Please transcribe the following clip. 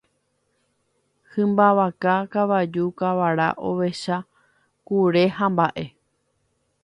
Hymba vaka, kavaju, kavara, ovecha, kure hamba'e